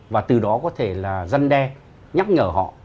và từ đó có thể là dân đe nhắc nhở họ